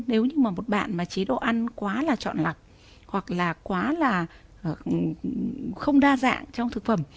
nếu như mà một bạn mà chế độ ăn quá là chọn lọc hoặc là quá là không đa dạng trong thực phẩm